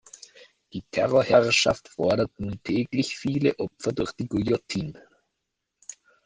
Die Terrorherrschaft fordert nun täglich viele Opfer durch die Guillotine.